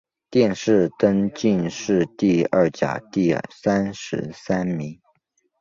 殿试登进士第二甲第三十三名。